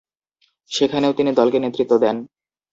সেখানেও তিনি দলকে নেতৃত্ব দেন।